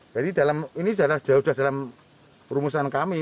jadi ini sudah jauh dalam rumusan kami